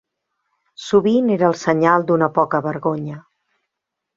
Sovint era el senyal d'un poca vergonya.